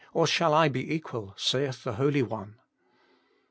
or shall I be equal ? saith the Holy One.'